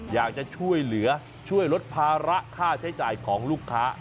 อยากจะช่วยเหลือช่วยลดภาระค่าใช้จ่ายของลูกค้า